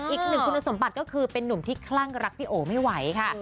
อีกหนึ่งคุณสมบัติก็คือเป็นนุ่มที่คลั่งรักพี่โอไม่ไหวค่ะ